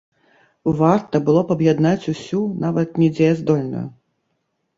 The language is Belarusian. Варта было б аб'яднаць усю, нават недзеяздольную.